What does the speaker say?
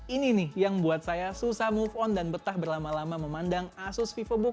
ini nih yang buat saya susah move on dan betah berlama lama memandang asus vivobook ultra lima belas oled k lima ratus tiga belas